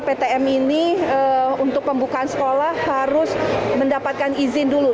ptm ini untuk pembukaan sekolah harus mendapatkan izin dulu